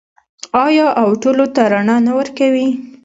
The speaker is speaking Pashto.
آیا او ټولو ته رڼا نه ورکوي؟